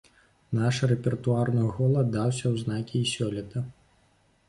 Наш рэпертуарны голад даўся ў знакі і сёлета.